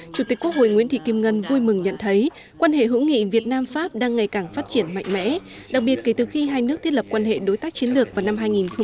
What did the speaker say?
chủ tịch quốc hội nguyễn thị kim ngân vui mừng nhận thấy quan hệ hữu nghị việt nam pháp đang ngày càng phát triển mạnh mẽ đặc biệt kể từ khi hai nước thiết lập quan hệ đối tác chiến lược vào năm hai nghìn một mươi